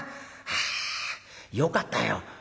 あよかったよ」。